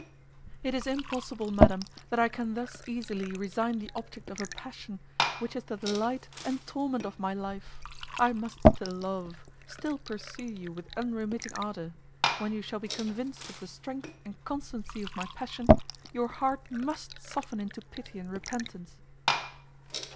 "It is impossible, Madam, that I can thus easily resign the object of a passion, which is the delight and torment of my life.—I must still love—still pursue you with unremitting ardour;—when you shall be convinced of the strength and constancy of my passion, your heart must soften into pity and repentance."